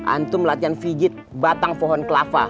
antum latihan menjijit batang pohon kelava